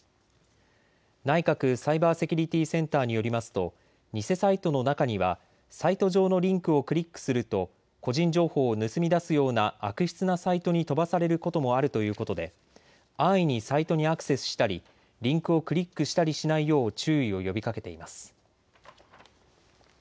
内閣サイバーセキュリティセンターによりますと偽サイトの中にはサイト上のリンクをクリックすると個人情報を盗み出すような悪質なサイトに飛ばされることもあるということで安易にサイトにアクセスしたりリンクをクリックしたりしないよう注意を呼びかけています。